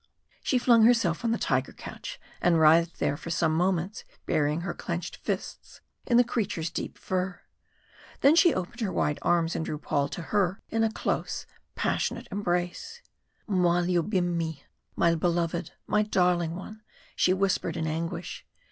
She flung herself on the tiger couch, and writhed there for some moments, burying her clenched fists in the creature's deep fur. Then she opened wide her arms, and drew Paul to her in a close, passionate embrace. "Moi Lioubimyi My beloved my darling one!" she whispered in anguish.